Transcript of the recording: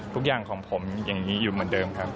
ทุกอย่างของผมอย่างนี้อยู่เหมือนเดิมครับ